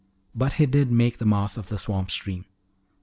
But he did make the mouth of the swamp stream.